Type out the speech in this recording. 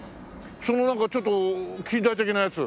そのなんかちょっと近代的なやつ。